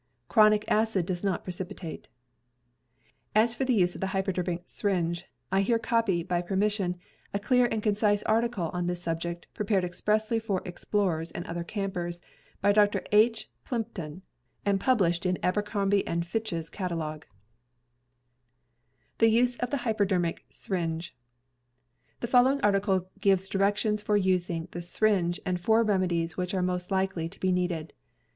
Chronic acid does not precipitate. As for the use of the hypodermic syringe, I here copy, by permission, a clear and concise article on this subject prepared expressly for explorers and other campers by Dr. H. Plympton, and published in Aber crombie & Fitch's catalogue: THE USE OF THE HYPODERMIC SYRINGE The following article gives directions for using the syringe and four remedies which are most likely to be needed.